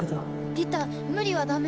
リタ無理はダメ。